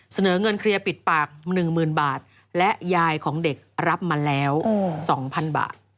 เสนอเงินเคลียร์ปิดปาก๑๐๐๐บาทและยายของเด็กรับมาแล้ว๒๐๐๐บาท